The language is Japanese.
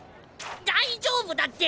大丈夫だって！